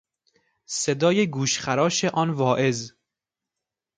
صدای گوشخراش آن واعظ